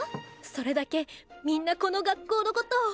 それだけみんなこの学校のことを。